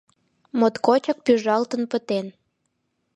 Моткочак пӱжалтын пытен.